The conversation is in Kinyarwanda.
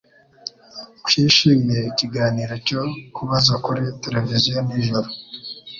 Twishimiye ikiganiro cyo kubaza kuri tereviziyo nijoro